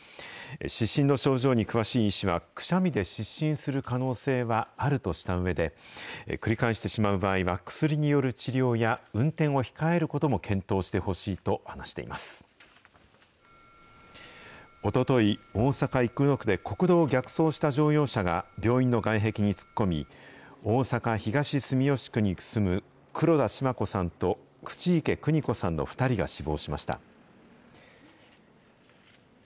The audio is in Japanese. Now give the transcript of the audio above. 失神の症状に詳しい医師は、くしゃみで失神する可能性はあるとしたうえで、繰り返してしまう場合は、薬による治療や、運転を控えることも検討してほしいと話おととい、大阪・生野区で国道を逆走した乗用車が病院の外壁に突っ込み、大阪・東住吉区に住む黒田シマ子さんと口池邦子さんの２人が死亡しました。